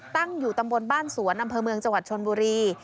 ตั้งอยู่ตำบลบ้านสวนอำเภอเมืองจังหวัดชนบุรี